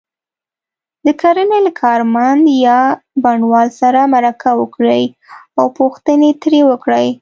د کرنې له کارمند یا بڼوال سره مرکه وکړئ او پوښتنې ترې وکړئ.